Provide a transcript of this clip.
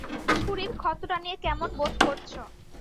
ছুরির ক্ষতটা নিয়ে কেমন বোধ করছ?